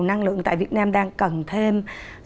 năng lượng tại việt nam đang cần thêm